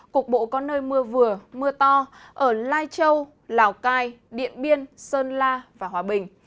cục bộ có nơi mưa vừa mưa to ở lai châu lào cai điện biên sơn la và hòa bình